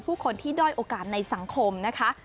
ผู้คนที่ด้อยโอกาสในสังคมนะคะ